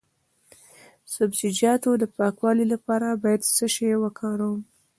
د سبزیجاتو د پاکوالي لپاره باید څه شی وکاروم؟